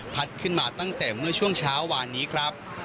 ขึ้นมาตั้งแต่เมื่อช่วงเช้าวานนี้ครับ